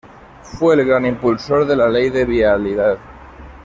Fue el gran impulsor de la Ley de Vialidad.